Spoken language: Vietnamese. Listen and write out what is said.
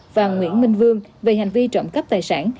và nguyễn minh vương về hành vi trộm cắp tài sản